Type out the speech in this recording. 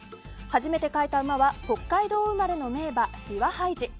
初めて描いた馬は北海道生まれの名馬ビワハイジ。